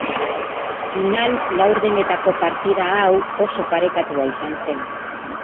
Final-laurdenetako partida hau oso parekatua izan zen.